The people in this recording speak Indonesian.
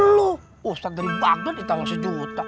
lo ustadz dari bagdad ditawar sejuta